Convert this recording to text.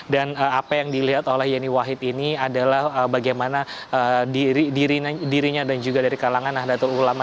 dan apa yang dilihat oleh yeni wahid ini adalah bagaimana dirinya dan juga dari kalangan nahdlatul ulama